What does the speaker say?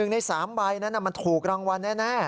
ใน๓ใบนั้นมันถูกรางวัลแน่